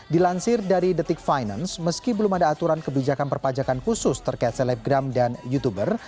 dilansir dari detik finance meski belum ada aturan kebijakan perpajakan khusus terkait selebgram dan youtuber